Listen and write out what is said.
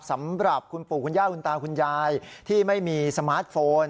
สำหรับคุณปู่คุณย่าคุณตาคุณยายที่ไม่มีสมาร์ทโฟน